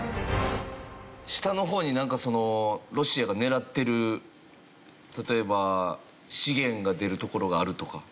下の方になんかそのロシアが狙ってる例えば資源が出る所があるとか？